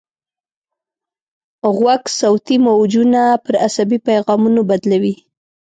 غوږ صوتي موجونه پر عصبي پیغامونو بدلوي.